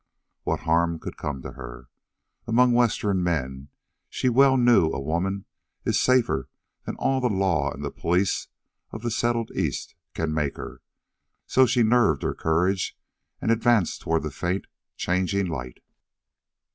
What harm could come to her? Among Western men, she well knew a woman is safer than all the law and the police of the settled East can make her, so she nerved her courage and advanced toward the faint, changing light.